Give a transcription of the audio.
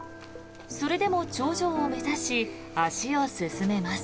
それでも頂上を目指し足を進めます。